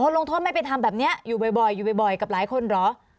โอ้โฮลงโทษไม่ไปทำแบบนี้อยู่บ่อยกับหลายคนหรอ